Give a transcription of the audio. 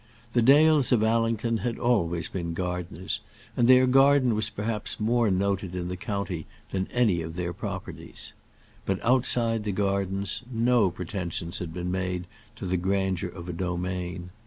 The Dales of Allington had always been gardeners, and their garden was perhaps more noted in the county than any other of their properties. But outside the gardens no pretensions had been made to the grandeur of a domain.